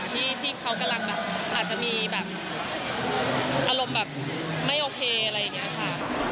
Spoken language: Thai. ที่เขากำลังแบบอาจจะมีแบบอารมณ์แบบไม่โอเคอะไรอย่างนี้ค่ะ